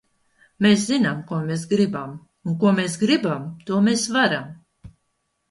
Mēs zinām, ko mēs gribam! Un ko mēs gribam, to mēs varam!